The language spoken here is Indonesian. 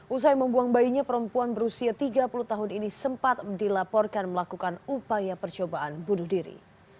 usai membuang bayinya perempuan berusia tiga puluh tahun ini sempat dilaporkan melakukan upaya percobaan bunuh diri